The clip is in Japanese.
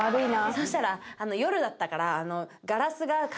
そしたら夜だったから。